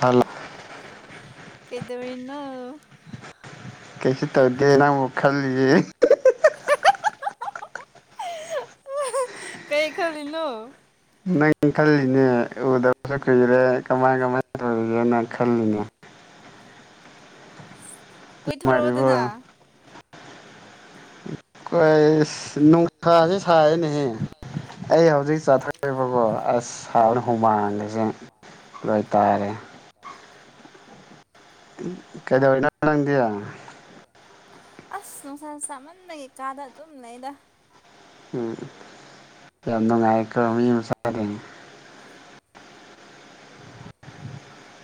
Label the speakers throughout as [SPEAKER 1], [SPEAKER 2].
[SPEAKER 1] hello
[SPEAKER 2] ꯀꯩꯗꯧꯔꯤꯅꯣ
[SPEAKER 1] ꯀꯩꯁꯨ ꯇꯧꯗꯦ ꯅꯪꯕꯨ ꯈꯜꯂꯤꯌꯦ
[SPEAKER 2] ꯀꯩ ꯈꯜꯂꯤꯅꯣ
[SPEAKER 1] ꯅꯪ ꯈꯜꯂꯤꯅꯦ ꯎꯗꯕꯁꯨ ꯀꯨꯏꯔꯦ ꯀꯃꯥꯏ ꯀꯃꯥꯏꯅ ꯇꯧꯔꯤꯒꯦ ꯅꯪ ꯈꯜꯂꯤꯅꯦ ꯅꯨꯡꯉꯥꯏꯔꯤꯕꯣ
[SPEAKER 2] ꯀꯣꯏꯊꯣꯔꯛꯑꯣꯗꯅ [unintelligible]
[SPEAKER 1] ꯅꯨꯡꯁꯥꯥꯁꯦ ꯁꯥꯢꯅꯦꯍꯦ ꯑꯩ ꯍꯧꯖꯤꯛ ꯆꯠꯊꯔꯤꯕꯀꯣ ꯑꯁ ꯁꯥꯕꯅ ꯍꯨꯃꯥꯡꯁꯦ ꯂꯣꯏ ꯇꯥꯔꯦ ꯀꯩꯗꯧꯔꯤꯅꯣ ꯅꯪꯗꯤ
[SPEAKER 2] ꯑꯁ ꯅꯨꯡꯁꯥ ꯆꯥꯃꯟꯕꯩ ꯀꯥꯗ ꯑꯗꯨꯝ ꯂꯩꯗ
[SPEAKER 1] ꯎꯝ ꯅꯨꯡꯉꯥꯏꯀꯣ ꯃꯤ ꯃꯆꯥꯗꯤ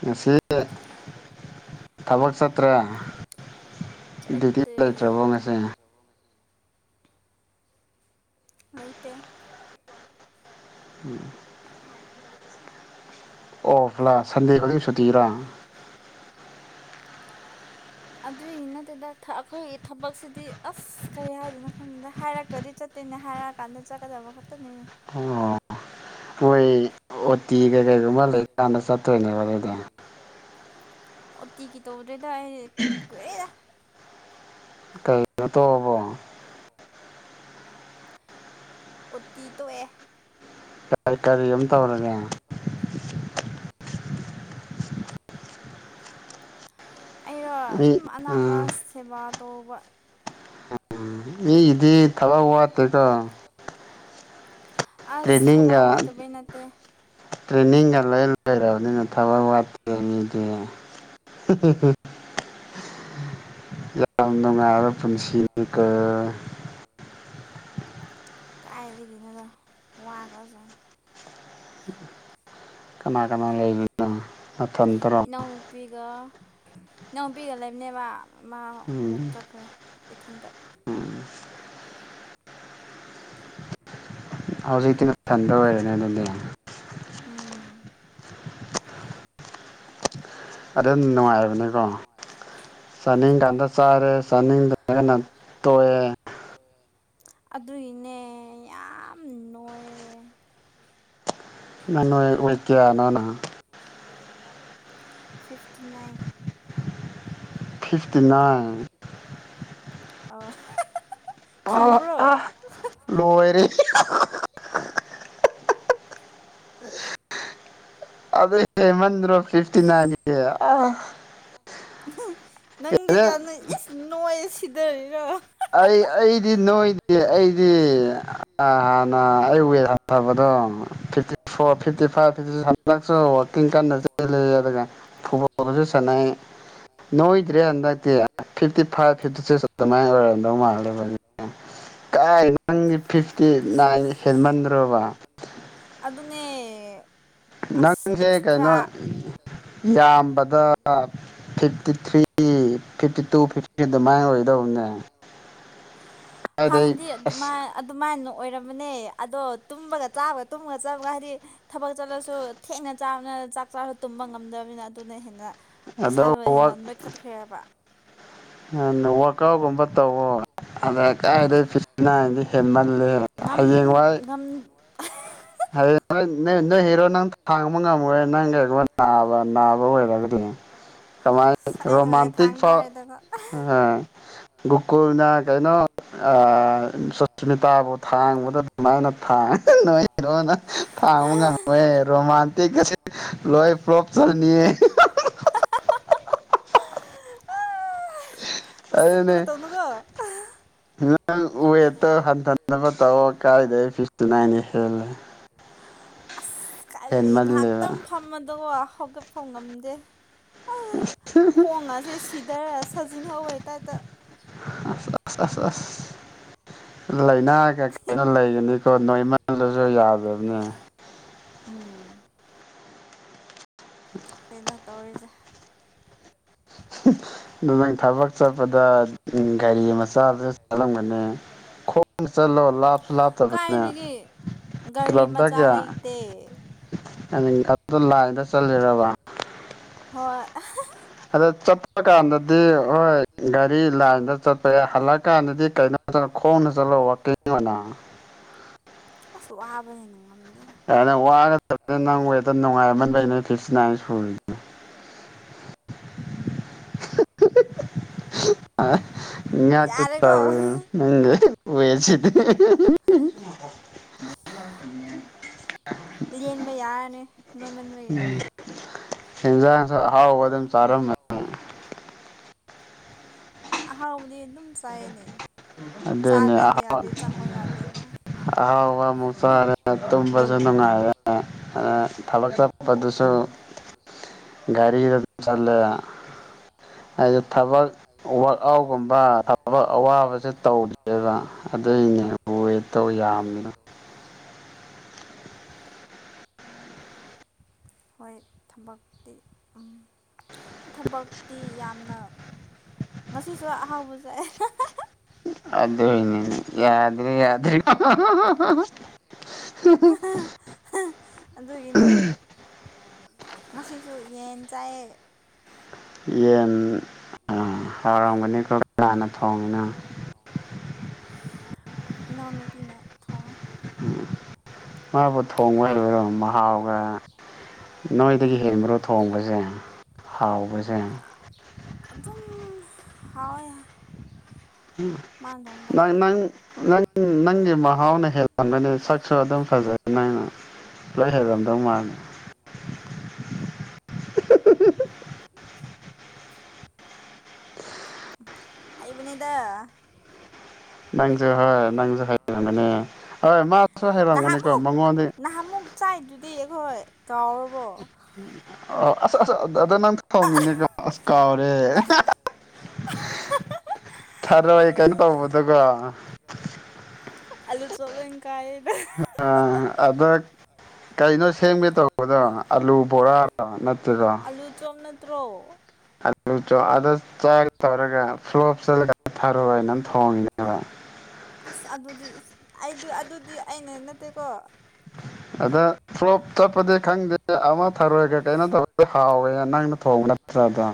[SPEAKER 1] ꯉꯁꯤ ꯊꯕꯛ ꯆꯠꯇ꯭ꯔꯦ ꯗꯨꯇꯤ
[SPEAKER 2] ꯆꯠꯇꯦ
[SPEAKER 1] ꯂꯩꯇ꯭ꯔꯕꯣ ꯉꯁꯤ
[SPEAKER 2] ꯂꯩꯇꯦ
[SPEAKER 1] [unintelligible] ꯑꯣꯐ꯭ꯂꯥ ꯁꯟꯗꯦ ꯈꯨꯗꯤꯡ ꯁꯨꯇꯤꯔ
[SPEAKER 2] ꯑꯗꯨꯏꯒꯤ ꯅꯠꯇꯗ ꯑꯩꯈꯣꯏꯒꯤ ꯊꯕꯛꯁꯤꯗꯤ ꯑꯁ ꯀꯔꯤ ꯍꯥꯏꯗꯣꯏꯅꯣ ꯈꯪꯗ‌ꯦ ꯍꯥꯏꯔꯛꯇ꯭ꯔꯗꯤ ꯆꯠ ꯇ‌ꯦꯅꯤ ꯍꯥꯏꯔꯛꯑ ꯀꯥꯟꯗ ꯆꯠꯀꯗꯕ ꯈꯥꯛꯇꯅꯤ
[SPEAKER 1] ꯑꯣ ꯃꯣꯏ ꯑꯣꯇꯤ ꯀꯩ ꯀꯩꯒꯨꯝꯕ ꯂꯩꯀꯥꯟꯗ ꯆꯠꯇꯣꯏꯅꯦꯕ ꯑꯗꯨꯗꯤ
[SPEAKER 2] ꯑꯣ ꯇꯤꯒꯤ ꯇꯧꯗ꯭ꯔꯦꯗ ꯑꯩ ꯀꯨꯏꯔꯦꯗ
[SPEAKER 1] ꯀꯩꯅꯣ ꯇꯣꯛꯑꯕꫭ
[SPEAKER 2] ꯑꫭꯇꯤ ꯇꯣꯛꯑꯦ
[SPEAKER 1] ꯀꯔꯤ ꯀꯔꯤ ꯑꯃꯨꯛ ꯇꯧꯔꯒꯦ
[SPEAKER 2] ꯑꯩꯔꯣ
[SPEAKER 1] ꯃꯤ
[SPEAKER 2] ꯑꯗꯨꯝ ꯑꯅꯥꯕ
[SPEAKER 1] ꯎꯝ
[SPEAKER 2] ꯁꯦꯕꯥ ꯇꯧꯕ
[SPEAKER 1] [unintelligible] ꯃꯤꯒꯤꯗꯤ ꯊꯕꯛ ꯋꯥꯠꯇ‌ꯦꯀꯣ
[SPEAKER 2] ꯑꯁ ꯊꯕꯥꯛ ꯋꯥꯠꯇꯕꯩ ꯅꯠꯇꯦ
[SPEAKER 1] ꯇ꯭ꯔꯦꯟꯅꯤꯡꯒ ꯂꯣꯏ ꯂꯩꯔꯕꯅꯤꯅ ꯊꯕꯛ ꯋꯥꯠꯇꯦ ꯃꯤꯗꯤ [unintelligible] ꯌꯥꯝ ꯅꯨꯡꯉꯥꯏꯕ ꯄꯨꯟꯁꯤꯅꯤꯀꫭ
[SPEAKER 2] ꯀꯥꯏꯗꯒꯤꯅꫭꯗ ꯋꯥꯈꯔꯕ ꯖꯥꯠꯅꯤ
[SPEAKER 1] ꯀꯅꯥ ꯀꯅꯥ ꯂꯩꯕꯅꯣ ꯅꯊꯟꯇ꯭ꯔꫭ
[SPEAKER 2] ꯅꯨꯄꯤꯒ ꯏꯅꯥꯎꯅꯨꯄꯤꯒ ꯂꯩꯕꯅꯦꯕ ꯃꯥ ꯑꯃꯨꯛ
[SPEAKER 1] ꯎꯝ
[SPEAKER 2] ꯆꯠꯈ꯭ꯔꯦ ꯏꯊꯟꯇ
[SPEAKER 1] ꯎꯝ ꯍꯧꯖꯤꯛꯇꯤ ꯅꯊꯟꯗ ꯑꯣꯏꯔꯅꯦ ꯑꯗꯨꯝꯗꯤ
[SPEAKER 2] ꯎꯝ
[SPEAKER 1] ꯑꯗꯨꯅ ꯅꯨꯡꯉꯥꯏꯕꯅꯤꯀꯣ ꯆꯥꯅꯤꯡ ꯀꯥꯟꯗ ꯆꯥꯔꯦ ꯆꯥꯅꯤꯡꯗꯔꯒꯅ ꯇꯣꯛꯑꯦ
[SPEAKER 2] ꯑꯗꯨꯒꯤꯅꯦ ꯌꯥꯝ ꯅꯣꯏꯔꯦ
[SPEAKER 1] ꯅꯪ ꯅꫭꯏ ꯑꯣꯡꯡꯡ [unintelligible]
[SPEAKER 2] ꯐꯤꯞꯇꯤ ꯅꯥꯏꯟ
[SPEAKER 1] ꯐꯤꯞꯇꯤ ꯅꯥꯏꯟ
[SPEAKER 2] ꯑꯥ
[SPEAKER 1] ꯑ ꯑ ꯂꯣꯏꯔꯦ ꯑꯗꯨ ꯍꯦꯃꯟ꯭ꯔꯣ ꯐꯤꯐꯇꯤ ꯅꯥꯏꯟꯗꯨꯗꯤ ꯑꯥ
[SPEAKER 2] ꯅꯪꯗꯤ ꯀꯌꯥꯅꯪ ꯏꯁ ꯅꯣꯏ ꯁꯤꯗꯔꯤꯔꯥ
[SPEAKER 1] ꯑꯩ ꯑꯩꯗꯤ ꯅꯣꯏꯗ‌ꯦ ꯑꯩꯗꯤ ꯍꯥꯟꯅ ꯑꯩꯋ ꯐꯕꯗꯣ ꯐꯤꯇꯤ ꯐꯣꯔ ꯐꯤꯐꯇꯤ ꯐꯥꯏꯚ ꯐꯤꯇꯤ [unintelligible] ꯍꯟꯗꯛꯁꯨ ꯋꯥꯛꯀꯤꯡ ꯀꯟꯅ ꯆꯦꯜꯂꯤ ꯑꯗꯨꯒ ꯐꯨꯠ ꯕꫭꯜꯁꯨ ꯁꯥꯅꯩ ꯅꯣꯏꯗ꯭ꯔꯦ ꯍꯟꯗꯛꯇꯤ ꯐꯤꯐꯇꯤ ꯐꯥꯏꯚ ꯐꯤꯞꯇꯤ ꯁꯤꯛꯁ ꯑꯗꯨꯃꯥꯏꯅ ꯑꯣꯏꯔꯕ ꯗꯂ [unintelligible] ꯀꯥꯏ ꯅꯪꯗꯤ
[SPEAKER 2] ꯐꯥꯏꯚ
[SPEAKER 1] ꯐꯤꯐꯇꯤ ꯅꯥꯏꯟ
[SPEAKER 2] ꯁꯤꯛꯁ
[SPEAKER 1] ꯍꯦꯟꯃꯟꯗ꯭ꯔꯣꯕ
[SPEAKER 2] ꯑꯗꯨꯅꯦ ꯑꯁ
[SPEAKER 1] ꯅꯪꯁꯦ
[SPEAKER 2] ꯑꯦꯛꯁꯇ꯭ꯔꯥ
[SPEAKER 1] ꯀꯩꯅꯣ ꯌꯥꯝꯕꯗ fifty three fifty two fifty three ꯑꯗꯨꯃꯥꯏꯅ ꯑꯣꯏꯗꯧꯕꯅꯦ ꯀꯥꯏꯗꯩ
[SPEAKER 2] ꯍꯥꯟꯅꯗꯤ
[SPEAKER 1] ꯑꯁ
[SPEAKER 2] ꯑꯗꯨꯃꯥꯏ ꯑꯗꯨꯃꯥꯏꯅ ꯑꯣꯏꯔꯕꯅꯦ ꯑꯗꯣ ꯇꯨꯝꯕꯒ ꯆꯥꯕꯒ ꯇꯨꯝꯕꯒ ꯆꯥꯕꯒ ꯍꯥꯏꯗꯤ ꯊꯕꯛ ꯆꯠꯂꯁꯨ ꯊꯦꯡꯅ ꯆꯥꯕꯅ ꯆꯥꯛ ꯆꯥꯕ ꯇꯨꯝꯕ ꯉꯝꯗꯕꯅꯤꯅ ꯑꯗꯨꯅ ꯍꯦꯟꯅ
[SPEAKER 1] ꯑꯗ
[SPEAKER 2] ꯏꯁꯥꯗꯨ ꯍꯦꯟꯅ ꯅꯣꯏꯈꯠꯈ꯭ꯔꯦ ꯍꯥꯏꯕ
[SPEAKER 1] ꯅ ꯋꯥꯛ ꯑꯥꯎꯠꯀꯨꯝꯕ ꯇꯧꯋꯣ ꯑꯗ ꯀꯥꯏꯗꯩ ꯐꯤꯁꯤꯅꯥ ꯍꯥꯏꯗꯤ ꯍꯦꯟꯃꯜꯂꯦ
[SPEAKER 2] ꯉꯝ ꯉꯝ
[SPEAKER 1] ꯍꯌꯦꯡ ꯅ ꯅ ꯅꯣꯏ ꯍꯔꯣ ꯅꯪ ꯍꯥꯡꯕ ꯉꯝꯃꯣꯏ ꯅꯪ ꯀꯩꯒꯨꯝꯕ ꯅꯥꯕ ꯅꯥꯕ ꯑꯣꯏꯔꯒꯗꯤ [unintelligible] ꯀꯃꯥꯏ
[SPEAKER 2] ꯑꯁ ꯑꯩꯅ ꯑꯣꯏꯅ ꯊꯥꯡ ꯇꯥꯔꯦꯗꯕ
[SPEAKER 1] ꯎꯝ [unintelligible] ꯨꯒꫭꯀꯨꯜꯅꯥ ꯀꯩꯅꫭ ꯑꯥ ꯁꯨꯁꯃꯤꯇꯥ ꯕꯨ ꯊꯥꯥꯡꯕꯗ ꯃꯃꯥꯏꯅ ꯐꯥ ꯅꯣꯏ [unintelligible] ꯍ‌ꯦꯔꫭꯅ ꯊꯥꯡꯕ ꯉꯝꯏꯌ‌ꯦꯃꫭ ꯔꯣꯃꯥꯟꯇꯤꯛ ꯀꯁꯤ ꯂꯣꯏ ꯐꯂꫭꯞ ꯆꯠꯂꯅꯤꯌ‌ꯦ ꯑꯗꯨꯅꯦ
[SPEAKER 2] ꯎꯁꯤꯠꯇꯕ ꯇꯧꯅꯨꯀꯣ
[SPEAKER 1] ꯎꯋꯦ [unintelligible] ꯇꯣ ꯍꯥꯟ ꯊꯅ ꯄ ꯇ ꯀꯥꯏꯗ ꯄꯅꯤ ꯍꯦꯜꯂ
[SPEAKER 2] ꯀꯔꯤ
[SPEAKER 1] ꯍꯦꯟꯃꯜꯂꯦꯕ
[SPEAKER 2] ꯉꯥꯏꯍꯥꯛꯇꯪ ꯐꯝꯃꯗꯣ ꯍꯧꯒꯠꯐꯝ ꯉꯝꯗꯦ ꯑ ꯈꯣꯡ ꯑꯁꯦ ꯁꯤꯊꯔ ꯁꯥꯖꯤꯟꯍꯧꯦ ꯇꯥꯏꯞꯇ
[SPEAKER 1] ꯑ ꯑ ꯑꯁ ꯑ ꯂꯥꯏꯅꯥ ꯀ ꯀꯩꯅ ꯂꯩꯒꯅꯤꯀꯣ ꯅꯣꯏꯃꯜꯂꯁꯨ ꯌꯥꯗꯕꯅꯦ
[SPEAKER 2] ꯎꯝ
[SPEAKER 1] [unintelligible]
[SPEAKER 2] ꯁꯤꯗ ꯇꯧꯔꯤꯁꯦ
[SPEAKER 1] ꯑꯗ ꯅꯪ ꯊꯕꯛ ꯆꯠꯄꯗ ꯒꯥꯔꯤ ꯃꯆꯥꯗꯨꯗ ꯆꯠꯂꯝꯒꯅꯤ ꯈꯣꯡ ꯆꯠꯂꯣ ꯂꯥꯞꯁꯨ ꯂꯥꯞꯇꯕꯅꯦ
[SPEAKER 2] ꯀꯥꯏꯗꯒꯤ ꯒꯥꯔꯤ ꯃꯆꯥ ꯂꯩꯇꯦ
[SPEAKER 1] ꯑ ꯑꯗꯨ ꯂꯥꯏꯗ ꯆꯠꯂꯦꯔꯕ
[SPEAKER 2] ꯍꯣꯏ
[SPEAKER 1] ꯑꯗ ꯆꯠꯄ ꯀꯥꯟꯗꯗꯤ ꯍꯣꯏ ꯒꯥꯔꯤ ꯂꯥꯏꯟꯗ ꯆꯠꯄ ꯌꯥꯏ ꯍꯜꯂꯛꯑꯀꯥꯟꯗꯗꯤ ꯀꯩꯅꯣ ꯈꯣꯡꯅ ꯆꯠꯂꯣ ꯋꯥꯅ
[SPEAKER 2] ꯑꯁꯁꯨ ꯋꯥꯕꯅꯤꯅ ꯉꯝꯗꯦꯅ
[SPEAKER 1] ꯍꯪ ꯋꯥꯒꯗꯕꯅ ꯅꯪ ꯋꯦꯛꯇ ꯅꯨꯡꯉꯥꯏ ꯑꯃ ꯂꯩꯅꯤ ꯐꯤꯞꯇ ꯅꯥꯏꯟ ꯁꯨꯔꯤꯅꯤ ꯌꯥ ꯇ
[SPEAKER 2] ꯌꯥꯔꯦꯀꯣ
[SPEAKER 1] ꯀꯕ ꯎ ꯑꯣꯏꯁꯤꯗꯤ
[SPEAKER 2] ꯂꯦꯟꯕ ꯌꯥꯔꯅꯤ ꯅꯣꯏꯃ ꯅꯣꯏ
[SPEAKER 1] ꯍꯖ ꯍꯥꯎꯕꯗ ꯆꯔꯝ
[SPEAKER 2] ꯇꯔ ꯑꯍꯥꯎꯕꯗꯤ ꯑꯗꯨꯝ ꯆꯥꯏꯅꯦ ꯆꯥꯗꯗꯤ ꯌꯥꯗꯦ ꯆꯪꯉꯣ ꯌꯥꯗꯦꯕ
[SPEAKER 1] ꯑꯥꯎꯕ ꯃꯨꯁꯔꯦ ꯇꯨꯝ ꯆꯅ ꯍꯥꯏ ꯑꯗ ꯊꯕꯛ ꯆꯠꯄꯗꯨꯁꯨ ꯒꯥꯔꯤꯗ ꯑꯗꯨꯝ ꯆꯠꯂꯦ ꯍꯥꯏ ꯊꯕꯛ ꯋꯥꯔꯥꯛ ꯑꯥꯎꯠꯒꯨꯝꯕ ꯊꯕꯛ ꯑꯋꯥꯕꯁꯦ ꯇꯧꯔꯤꯑꯦꯕ ꯑꯗꯨꯏꯅꯦ ꯋꯦꯠꯇꯧ ꯌꯥꯝꯃꯤꯅ
[SPEAKER 2] ꯍꯣꯏ ꯊꯕꯛꯇꯤ ꯎꯝ ꯊꯕꯛꯇꯤ ꯌꯥꯝꯅ ꯉꯁꯤꯁꯨ ꯑꯍꯥꯎꯕ ꯆ
[SPEAKER 1] ꯑꯗꯨ ꯑꯣꯏꯅꯦꯅꯦ ꯌꯥꯗ꯭ꯔꯦ ꯌꯥꯗ꯭ꯔꯔꯤ
[SPEAKER 2] ꯑꯗꯨꯒꯤꯅꯦ ꯉꯁꯤꯁꯨ ꯌꯦꯟ ꯆꯥꯏꯌꯦ
[SPEAKER 1] ꯌꯦꯟ ꯍꯥꯎꯔꯝꯒꯅꯤ ꯀꯣ ꯀꯟꯅꯥꯅ ꯊꯣꯡꯉꯤꯅꯣ
[SPEAKER 2] ꯏꯅꯥꯎꯅꯨꯄꯤꯅ ꯊꯣꯡꯉꯦ
[SPEAKER 1] ꯃꯥꯕꯨ ꯊꯣꯡꯕ ꯍꯩꯕ꯭ꯔꯣ ꯃꯍꯥꯎꯒ ꯅꯣꯏꯗꯒꯤ ꯍꯦꯟꯕ꯭ꯔꯣ ꯊꯣꯡꯕꯖꯦ ꯍꯥꯎꯕꯖꯦ
[SPEAKER 2] ꯑꯗꯨꯝ ꯍꯥꯎꯋꯦ ꯃꯥꯅ ꯊꯣꯡꯕꯗꯣ
[SPEAKER 1] ꯅꯅꯪ ꯅꯪ ꯅꯪꯒꯤ ꯃꯍꯥꯎꯅ ꯍꯦꯜꯂꯝꯒꯅꯤ ꯁꯛꯁꯨ ꯑꯗꯨꯝ ꯐꯖꯩ ꯅꯪꯅ ꯂꯣꯏ ꯍꯩꯔꯝꯗꯧ ꯃꯥꯂꯦ
[SPEAKER 2] ꯍꯩꯕꯅꯤꯗꯥ
[SPEAKER 1] ꯅꯪꯖꯨ ꯍꯣꯏ ꯅꯪꯖꯨ ꯍꯩꯔꯝꯒꯅꯤ [unintelligible] ꯍꯩꯔꯝꯒꯅꯤꯀꯣ
[SPEAKER 2] ꯅꯍꯥꯃꯨꯛ
[SPEAKER 1] ꯃꯉꯣꯟꯗꯩ
[SPEAKER 2] ꯅꯍꯥꯃꯨꯛ ꯆꯥꯏꯗꯨꯗꯤ ꯑꯩꯈꯣꯏ ꯀꯥꯎꯔ
[SPEAKER 1] ꯑ ꯑꯁ ꯑꯁ ꯑꯗ ꯅꯪ ꯊꯣꯡꯉꯤꯅꯤꯀꯣ ꯀꯥꯎꯔꯦ ꯊꯔꯣꯏ ꯀꯩꯅꯣ ꯇꯧꯕꯗꯨꯒ
[SPEAKER 2] ꯑꯂꯨ ꯆꯣꯞ ꯂꯣꯢ ꯀꯥꯏꯌꯦꯗ
[SPEAKER 1] ꯑꯗ ꯀꯩꯅꯣ ꯁꯦꯝꯒꯦ ꯇꯧꯕꯗꯣ ꯑꯂꯨ ꯕꯣꯔꯥꯔꯣ ꯅꯠꯇꯦꯀꯣ
[SPEAKER 2] ꯑꯂꯨ ꯆꯣꯞ ꯅꯠꯇ꯭ꯔꯣ
[SPEAKER 1] ꯑꯂꯨ ꯆꯣꯛ ꯑꯗꯨ ꯆꯥꯒꯦ ꯇꯧꯔꯒ ꯐ꯭ꯂꯣꯞ ꯆꯠꯂꯒ ꯊꯔꯣꯢ ꯑꯣꯢꯅ ꯊꯣꯡꯉꯤꯅꯦꯕ
[SPEAKER 2] ꯑꯁ ꯑꯗꯨꯗꯤ ꯏꯁ ꯑꯩ ꯑꯗꯨꯗꯤ ꯑꯩꯅ ꯅꯠꯇꯦꯀꯣ
[SPEAKER 1] ꯑꯗ ꯄ꯭ꯂꯣꯞ ꯆꯠꯄꯗꯤ ꯈꯪꯗꯦ ꯑꯃ ꯊꯔꯣꯏꯒ ꯀꯩꯅꯣ ꯇꯧꯕ ꯍꯥꯎꯋꯦ ꯅꯪꯅ ꯊꯣꯡꯅ ꯇ꯭ꯔꯥꯗ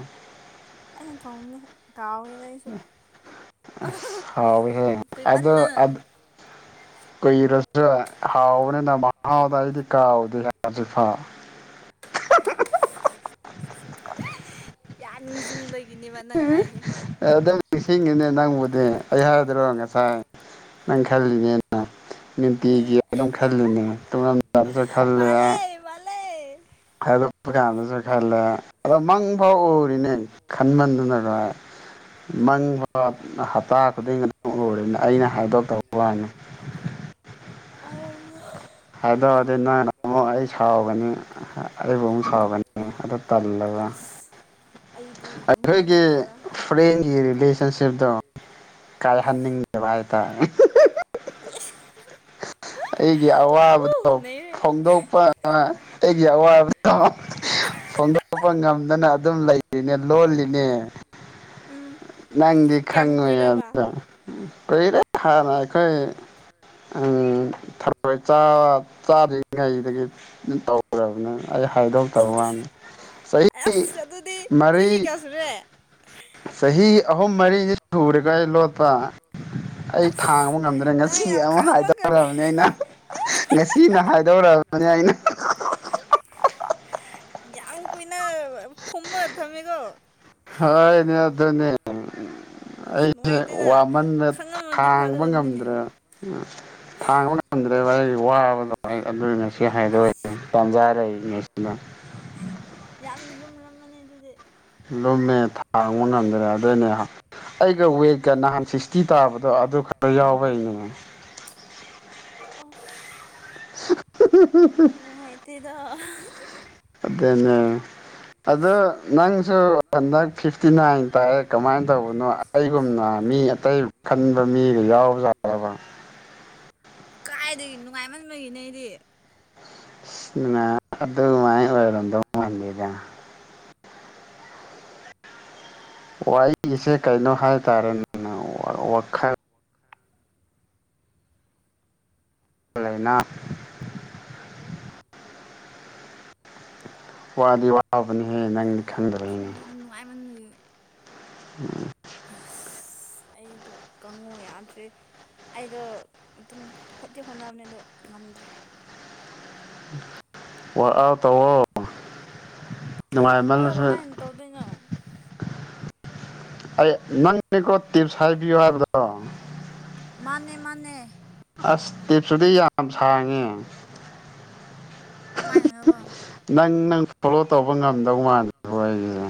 [SPEAKER 2] ꯑꯩꯅ ꯊꯣꯡꯕꯅꯤ ꯀꯥꯎꯋꯦꯗ ꯑꯩꯁꯨ
[SPEAKER 1] ꯑꯁ ꯍꯥꯎꯋꯤꯍꯦ ꯑꯗꯣ
[SPEAKER 2] ꯀꯨꯏꯃꯟꯗꯅ
[SPEAKER 1] ꯀꯨꯏꯔꯁꯨ ꯍꯥꯎꯕꯅꯤꯅ ꯃꯍꯥꯎꯗꯣ ꯑꯩꯗꯤ ꯀꯥꯎꯗꯦ ꯍꯧꯖꯤꯛꯐꯥꯎ [inaudible]
[SPEAKER 2] ꯌꯥ ꯅꯤꯡꯖꯤꯡꯕꯒꯤꯅꯦꯕ ꯅꯪ ꯍꯥꯏꯖꯦ
[SPEAKER 1] ꯑꯦ ꯑꯗꯨꯝ ꯅꯤꯡꯁꯤꯡꯉꯤꯅꯦ ꯅꯪꯕꯨꯗꯤ ꯑꯩ ꯍꯥꯏꯗ꯭ꯔꯣ ꯉꯁꯥꯏ ꯅꯪ ꯈꯥꯜꯂꯤꯅꯦ ꯅꯨꯡꯇꯤꯒꯤ
[SPEAKER 2] ꯎꯝ
[SPEAKER 1] ꯑꯗꯨꯝ ꯈꯂꯤꯅꯦ ꯇꯨꯃꯝꯗꯥꯏꯗꯁꯨ
[SPEAKER 2] ꯃꯥꯜꯂꯦ ꯃꯥꯜꯂꯦ
[SPEAKER 1] ꯍꯥꯏꯗꯣꯛꯄ ꯀꯥꯟꯗꯁꯨ ꯈꯜꯂꯦ ꯑꯗꯣ ꯃꯪꯚꯥꯎ ꯎꯔꯤꯅꯦ ꯈꯟꯃꯟꯗꯅ
[SPEAKER 2] ꯎꯝ
[SPEAKER 1] ꯃꯪꯚꯥꯎ ꯍꯞꯇꯥ ꯈꯨꯗꯤꯡ ꯑꯗꯨꯝ ꯎꯔꯤꯅꯦ ꯑꯩꯅ ꯍꯥꯏꯗꯣꯛ ꯇꯕ ꯋꯥꯅꯤ
[SPEAKER 2] ꯑꯧ
[SPEAKER 1] ꯍꯥꯏꯗꯣꯛꯑꯗꯤ ꯅꯪꯅ ꯑꯃꯨꯛ ꯑꯩ ꯁꯥꯎꯒꯅꯤ ꯑꯩꯕꯨ ꯑꯃꯨꯛ ꯁꯥꯎꯒꯅꯤ ꯑꯗ ꯇꯜꯂꯕ
[SPEAKER 2] ꯑꯁ ꯑꯩꯗꯤ
[SPEAKER 1] ꯑꯩꯈꯣꯏꯒꯤ
[SPEAKER 2] ꯃꯪꯗꯦꯗ
[SPEAKER 1] ꯐ꯭ꯔꯦꯟꯒꯤ ꯔꯤꯂꯦꯁꯟꯁꯤꯞꯗꯣ ꯀꯥꯏ ꯍꯥꯟꯅꯤꯡꯗꯕ ꯍꯥꯏ ꯇꯥꯔꯦ
[SPEAKER 2] ꯏꯁ
[SPEAKER 1] ꯑꯩꯒꯤ ꯑꯋꯥꯕꯗꯣ
[SPEAKER 2] ꯎ ꯅꯩꯔꯦ
[SPEAKER 1] ꯐꯣꯡꯗꯣꯛꯄ ꯑ ꯑꯩꯒꯤ ꯑꯋꯥꯕꯗꯣ ꯐꯣꯡꯗꯣꯛꯄ ꯉꯝꯗꯅ ꯑꯗꯨꯝ ꯂꯩꯔꯤꯅꯦ ꯂꯣꯜꯂꯤꯅꯦ
[SPEAKER 2] ꯎꯝ
[SPEAKER 1] ꯅꯪꯗꯤ
[SPEAKER 2] ꯀꯌꯥꯝ
[SPEAKER 1] ꯈꯪꯉꯣꯢ
[SPEAKER 2] ꯀꯨꯏꯔꯕ
[SPEAKER 1] ꯑꯝꯇ ꯀꯨꯏꯔꯦ ꯍꯥꯟꯅ ꯑꯩꯈꯣꯏ ꯎꯝ ꯊꯔꯣꯢ ꯆꯥꯗ꯭ꯔꯤꯉꯩꯗꯒꯤ ꯇꯧꯔꯕꯅꯦ ꯑꯩ ꯍꯥꯏꯗꯣꯛꯇꯕ ꯋꯥꯅꯤ ꯆꯍꯤ
[SPEAKER 2] ꯑꯁ ꯑꯗꯨꯗꯤ ꯆꯍꯤ
[SPEAKER 1] ꯃꯔꯤ
[SPEAKER 2] ꯀꯌꯥ ꯁꯨꯔꯦ
[SPEAKER 1] ꯆꯍꯤ ꯑꯍꯨꯝ ꯃꯔꯤꯅꯤ ꯁꯨꯔꯦꯀꯣ ꯑꯩ ꯂꯣꯠꯄ ꯑꯩ ꯊꯥꯡꯕ
[SPEAKER 2] ꯑꯁ
[SPEAKER 1] ꯉꯝꯗꯅ
[SPEAKER 2] ꯅꯪ
[SPEAKER 1] ꯉꯁꯤ
[SPEAKER 2] ꯌꯥꯝ
[SPEAKER 1] ꯑꯃ
[SPEAKER 2] ꯈꯥꯡꯕꯒꯂꯦ
[SPEAKER 1] ꯍꯥꯏꯗꯣꯔꯕꯅꯤ ꯑꯩꯅ ꯉꯁꯤꯅ ꯍꯥꯏꯗꯧꯔꯛꯑꯕꯅꯤ ꯑꯩꯅ
[SPEAKER 2] ꯌꯥꯥꯝ ꯀꯨꯏꯅ ꯐꯨꯝꯃꯒ ꯊꯝꯃꯦꯀꯣ
[SPEAKER 1] ꯍꯅꯦ ꯑꯗꯨꯅꯤ
[SPEAKER 2] ꯑꯁ
[SPEAKER 1] ꯑꯩꯁꯦ
[SPEAKER 2] ꯅꯨꯡꯉꯥꯏꯇꯦꯗ
[SPEAKER 1] ꯋꯥꯃꯟꯗ
[SPEAKER 2] ꯈꯪꯉꯝꯃꯗꯤ
[SPEAKER 1] ꯊꯥꯡꯕ
[SPEAKER 2] ꯐꯒꯗꯕꯅꯤꯅꯦ
[SPEAKER 1] ꯉꯝꯗ꯭ꯔꯦ ꯊꯥꯡꯕ ꯉꯝꯗ꯭ꯔꯦꯕ ꯑꯩꯒꯤ ꯋꯥꯕꯗꯣ ꯑꯩ ꯑꯗꯨꯒꯤ ꯉꯁꯤ ꯍꯥꯏꯗꯣꯛꯖꯦ
[SPEAKER 2] ꯑꯁ
[SPEAKER 1] ꯇꯥꯟꯖꯥ ꯂꯩꯔꯤꯉꯩꯁꯤꯗ
[SPEAKER 2] ꯌꯥꯝ ꯂꯨꯝꯂꯝꯃꯅꯤ ꯑꯗꯨꯗꯤ
[SPEAKER 1] ꯂꯨꯝꯃꯦ ꯊꯥꯡꯕ ꯉꯝꯗ꯭ꯔꯦ ꯑꯗꯨꯏꯅꯦ ꯑꯩꯒ ꯋꯦꯠꯀ ꯅꯍꯥꯟ ꯁꯤꯛꯁꯇꯤ ꯇꯥꯕꯗꯣ ꯑꯗꯨ ꯈꯔ ꯌꯥꯎꯕ ꯑꯩ
[SPEAKER 2] ꯑꯣꯁ
[SPEAKER 1] [unintelligible]
[SPEAKER 2] ꯅꯨꯡꯉꯥꯏꯇꯦꯗ
[SPEAKER 1] ꯑꯗꯨꯅꯦ ꯑꯗꯨ ꯅꯪꯁꯨ ꯍꯟꯗꯛ ꯐꯤꯐꯇꯤ ꯅꯥꯏꯟ ꯇꯥꯏꯑꯦ ꯀꯃꯥꯏ ꯇꯧꯕꯅꯣ ꯑꯩꯒꯨꯝꯅ ꯃꯤ ꯑꯇꯩ ꯈꯟꯕ ꯃꯤꯒ ꯌꯥꯎꯕꯖꯥꯠꯔꯕ
[SPEAKER 2] ꯀꯥꯏꯗꯒꯤ ꯅꯨꯡꯉꯥꯏꯃꯟꯕꯒꯤꯅꯦ ꯑꯩꯗꯤ
[SPEAKER 1] ꯑꯗꯨ ꯃꯥꯏ ꯑꯣꯏꯔꯝꯗꯣꯡ ꯃꯥꯟꯗꯦꯗ ꯋꯥꯔꯤꯁꯦ ꯀꯩꯅꯣ ꯍꯥꯏꯇꯥꯔꯦ ꯋꯥꯈꯜ ꯆꯂꯥꯏꯅ ꯋꯥꯗꯤ ꯋꯥꯕꯅꯤꯍꯦ ꯅꯪ
[SPEAKER 2] ꯈꯪꯗꯦꯗ ꯅꯨꯡꯉꯥꯏ ꯃꯟꯕꯒꯤ
[SPEAKER 1] ꯎꯝ
[SPEAKER 2] ꯑꯁ ꯑꯩꯗꯨ ꯀꯪꯉꯨ ꯌꯥꯗ꯭ꯔꯦ ꯑꯩꯗꯣ ꯑꯗꯨꯝ ꯈꯣꯠꯇꯤ ꯍꯣꯠꯅꯕꯅꯦ ꯑꯗꯣ ꯉꯝꯗ꯭ꯔꯦ
[SPEAKER 1] ꯋꯥꯛꯥꯎ ꯇꯋꯣ
[SPEAKER 2] ꯑꯗꯣ ꯀꯃꯥꯏꯅ ꯇꯧꯗꯣꯏꯅꯣ
[SPEAKER 1] ꯑꯩ ꯅꯪꯅꯦꯀꯣ ꯇꯤꯞꯁ ꯍꯥꯏꯕꯤꯌꯨ ꯍꯥꯏꯕꯗꯣ
[SPEAKER 2] ꯃꯥꯅꯦ ꯃꯥꯅꯦ
[SPEAKER 1] ꯑꯁ ꯇꯤꯞꯁꯨꯗꯤ ꯌꯥꯝ ꯁꯥꯡꯉꯦ
[SPEAKER 2] ꯀꯃꯥꯏꯅꯅꯣꯕ
[SPEAKER 1] ꯅꯪ ꯅꯪ ꯐꯣꯂꯣ ꯇꯧꯕ ꯉꯝꯗꯧ ꯃꯥꯜꯂꯦ ꯑꯩꯈꯣꯏ ꯑꯩꯁꯦ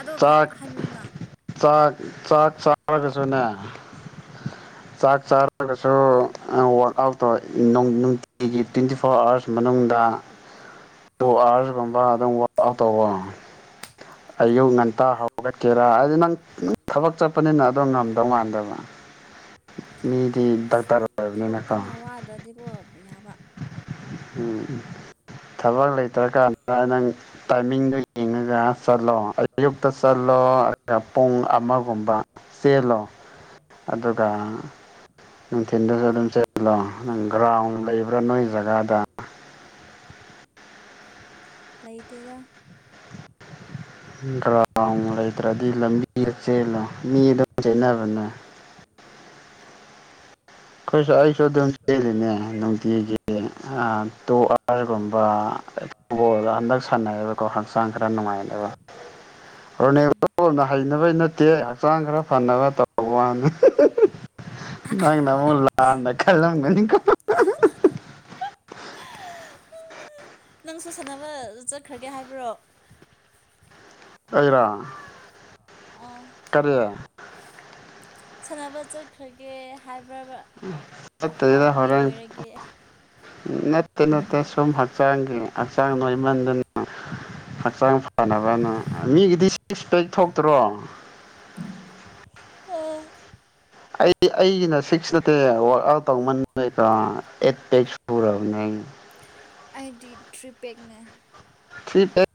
[SPEAKER 2] ꯑꯗꯣ
[SPEAKER 1] ꯆꯥꯛ
[SPEAKER 2] ꯍꯥꯏꯕꯤꯌꯨꯅ
[SPEAKER 1] ꯆꯥꯛ ꯆꯥꯛ ꯆꯥꯔꯒꯁꯨꯅꯦ
[SPEAKER 2] [inaudible]
[SPEAKER 1] ꯆꯥꯛ ꯆꯥꯔꯒꯁꯨ ꯋꯔꯥꯛ ꯑꯥꯎꯠ ꯇꯧꯔꯛ ꯅꯨꯡꯇꯤꯒꯤ ꯇ꯭ꯋꯦꯟꯇꯤ ꯐꯣꯔ ꯑꯥꯋꯥꯔꯁ ꯃꯅꯨꯡꯗ
[SPEAKER 2] [inaudible]
[SPEAKER 1] ꯇꯨ ꯑꯋꯥꯔꯁꯀꯨꯝꯕ ꯑꯗꯨꯝꯋ ꯑꯥꯎ ꯇꯧꯕ ꯑꯌꯨꯛ ꯉ ꯍꯧꯒꯠꯀꯦꯔꯥ ꯍꯥꯏꯗꯤ ꯅꯪ ꯊꯕꯛ ꯆꯠꯄꯅꯤꯅ ꯑꯗꯣ ꯉꯝꯗꯧ ꯃꯥꯟꯗꯕ ꯃꯤꯗꯤ ꯗꯔꯇꯔ ꯑꯣꯏꯕꯅꯤꯅꯀꯣ
[SPEAKER 2] ꯊꯕꯛꯇꯨꯅ ꯋꯥꯗ꯭ꯔꯗꯤꯀꯣ ꯌꯥꯕ
[SPEAKER 1] ꯎꯝ ꯊꯕꯛ ꯂꯩꯇ꯭ꯔꯀꯥꯟꯗ ꯅꯪ ꯇꯥꯏꯃꯤꯡꯗꯨ ꯌꯦꯡꯉꯒ ꯆꯂꯣ ꯑꯌꯨꯛꯇ ꯆꯠꯂꯣ ꯄꯨꯡ ꯑꯃꯒꯨꯝꯕ ꯆꯦꯜꯂꯣ ꯗ ꯅꯨꯡꯊꯤꯟꯗꯨꯁꯨ ꯑꯗꯨꯝ ꯆꯠꯂꯣ ꯅ ꯒ꯭ꯔꯥꯎꯟ ꯂꯩꯕ꯭ꯔꯥ ꯅꯣꯏ ꯖꯒꯥꯗ
[SPEAKER 2] ꯂꯩꯇꯦꯗ
[SPEAKER 1] ꯒ꯭ꯔꯥꯎꯟ ꯂꯩꯇ꯭ꯔꯗꯤ ꯂꯝꯕꯤ ꯆꯦꯜꯂꯨ ꯃꯤ ꯑꯗꯨꯝ ꯆꯦꯅꯕꯅꯦ ꯑꯩꯈꯣꯏꯁꯨ ꯑꯩꯁꯨ ꯑꯗꯨꯝ ꯆꯦꯜꯂꯤꯅꯦ ꯅꯨꯡꯇꯤꯒꯤ ꯇꯨ ꯑꯥꯔꯒꯨꯝꯕ ꯒꯣꯜꯗ ꯍꯟꯗꯛ ꯁꯥꯟꯅꯩꯌꯦꯕꯀꯣ ꯍꯛꯆꯥꯡ ꯈꯔ ꯅꯨꯡꯉꯥꯏꯅꯦꯕ
[SPEAKER 2] [inaudible]
[SPEAKER 1] ꯔꯣꯅꯦꯅ ꯍꯩꯅꯕꯩ ꯅꯠꯇꯦ ꯍꯛꯆꯥꯡ ꯈꯔ ꯐꯅꯕ ꯇ ꯋꯥꯅꯤ ꯅꯪ ꯅ ꯑꯃꯨꯛ ꯂꯥꯟꯅ ꯈꯜꯂꯝꯒꯅꯤꯀꯣ
[SPEAKER 2] ꯅꯪꯁꯨ ꯁꯥꯟꯅꯕ ꯆꯠꯈ꯭ꯔꯒꯦ ꯍꯥꯏꯕ꯭ꯔꯣ
[SPEAKER 1] ꯑꯩꯔꯣ
[SPEAKER 2] ꯑꯝ
[SPEAKER 1] ꯀꯔꯦ
[SPEAKER 2] ꯁꯥꯟꯅꯕ ꯆꯠꯈ꯭ꯔꯒꯦ ꯍꯥꯏꯕ꯭ꯔ
[SPEAKER 1] ꯆꯠꯇꯦꯗ ꯍꯣꯔꯦꯟ ꯅꯠꯇꯦ ꯅꯠꯇꯦ ꯁꯨꯝ ꯍꯛꯆꯥꯡꯒꯤ ꯍꯛꯆꯥꯡ ꯂꯩꯃꯟꯗꯨꯅ ꯍꯛꯆꯥꯡ ꯐꯅꯕꯅ ꯃꯤꯒꯤꯗꯤ ꯁꯤꯛꯁ ꯄꯦꯛ ꯊꯣꯛꯇ꯭ꯔꯣ
[SPEAKER 2] ꯎꯝ
[SPEAKER 1] ꯑꯩ ꯑꯩꯒꯤꯅ ꯁꯤꯛꯁ ꯅꯠꯇꯦ ꯋꯥꯔꯛ ꯑꯥꯎꯠ ꯇꯧꯃꯟꯦꯗꯣ ꯑꯩꯠ ꯄꯦꯛ ꯁꯨꯔꯕꯅꯦ
[SPEAKER 2] ꯑꯩꯗꯤ ꯇ꯭ꯔꯤꯄꯦꯛꯅꯦ
[SPEAKER 1] ꯊꯤ ꯄꯦꯛ